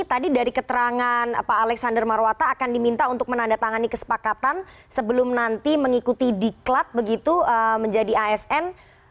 tadi dari keterangan pak alexander marwata akan diminta untuk menandatangani kesepakatan sebelum nanti mengikuti diklat begitu menjadi asn